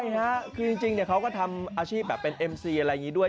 ใช่ค่ะคือจริงเขาก็ทำอาชีพแบบเป็นเอ็มซีอะไรอย่างนี้ด้วย